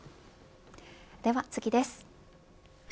では次です。